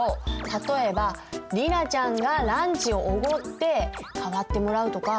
例えば莉奈ちゃんがランチをおごって代わってもらうとか。